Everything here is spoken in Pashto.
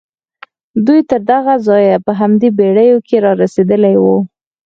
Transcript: دوی تر دغه ځايه په همدې بېړيو کې را رسېدلي وو.